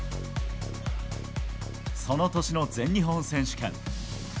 その年の全日本選手権。